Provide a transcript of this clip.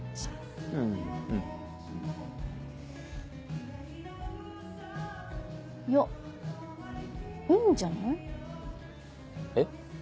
ううん。いやいいんじゃない？え？